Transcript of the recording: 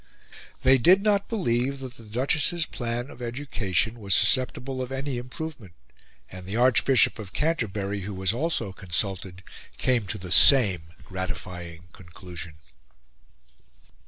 They did not believe that the Duchess's plan of education was susceptible of any improvement; and the Archbishop of Canterbury, who was also consulted, came to the same gratifying conclusion.